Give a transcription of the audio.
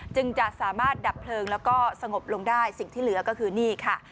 จึงจะสามารถดับเพลิงแล้วก็สงบลงได้สิ่งที่เหลือก็คือนี่ค่ะ